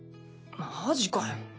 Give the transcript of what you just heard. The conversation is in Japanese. マジかよ。